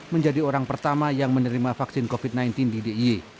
menjadi orang pertama yang menerima vaksin covid sembilan belas di d i e